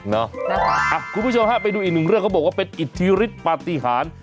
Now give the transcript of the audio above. คุณผู้ชมฮะไปดูอีกหนึ่งเรื่องเขาบอกว่าเป็นอิทธิฤทธิปฏิหาร